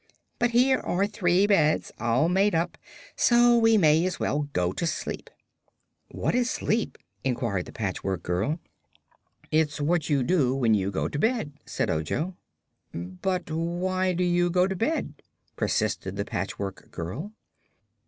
But here are three beds, all made up, so we may as well go to sleep." "What is sleep?" inquired the Patchwork Girl. "It's what you do when you go to bed," said Ojo. "But why do you go to bed?" persisted the Patchwork Girl.